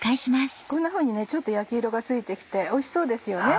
こんなふうにちょっと焼き色がついて来ておいしそうですよね